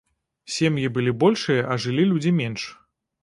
Сем'і былі большыя, а жылі людзі менш.